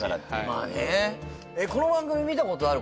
はいこの番組見たことある？